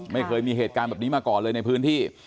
ไม่เคยมีเหตุการณ์แบบนี้มาก่อนเลยในพื้นที่